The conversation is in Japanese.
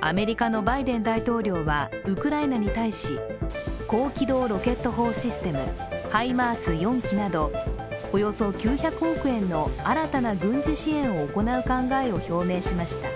アメリカのバイデン大統領とウクライナに対し高機動ロケット砲システムハイマース４基などおよそ９００億円の新たな軍事支援を行う考えを表明しました。